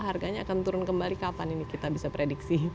harganya akan turun kembali kapan ini kita bisa prediksi